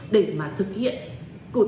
để mà thực hiện